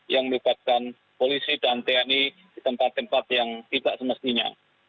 yang melibatkan polisi dan tni di tempat tempat yang tidak semestinya